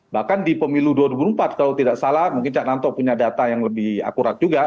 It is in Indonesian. bahkan di pemilu dua ribu empat kalau tidak salah mungkin cak nanto punya data yang lebih akurat juga